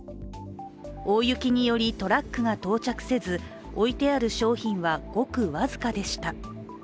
大雪によりトラックが到着せず、置いてある商品は、ごく僅かでした。